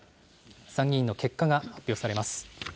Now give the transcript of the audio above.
参議院の結果が発表されます。